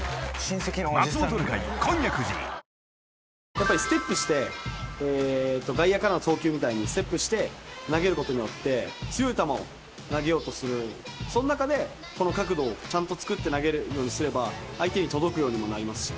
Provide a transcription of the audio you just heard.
やっぱりステップして外野からの送球みたいにステップして投げることによって強い球を投げようとするその中でこの角度をちゃんと作って投げるようにすれば相手に届くようにもなりますし。